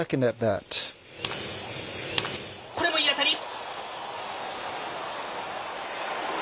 これもいい当たり。